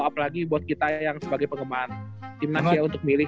apalagi buat kita yang sebagai penggemar timnas ya untuk milih